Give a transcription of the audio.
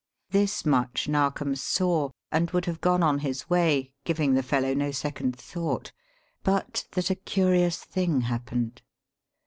This much Narkom saw and would have gone on his way, giving the fellow no second thought, but that a curious thing happened.